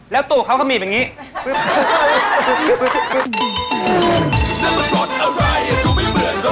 แล้วตูกเขาก็มีแบบนี้